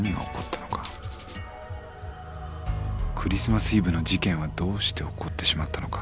［クリスマスイブの事件はどうして起こってしまったのか？］